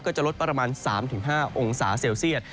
ก็จะลดประมาณ๓๕องศาเซลเซียต